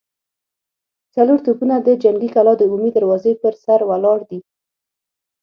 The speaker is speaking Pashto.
څلور توپونه د جنګي کلا د عمومي دروازې پر سر ولاړ دي.